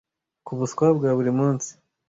ku buswa bwa buri munsi